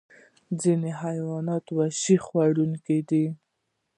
ځینې حیوانات واښه خوړونکي دي